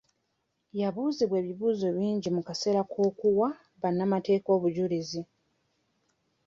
Yabuuzibwa ebibuuzo bingi mu kaseera k'okuwa bannamateeka obujulizi.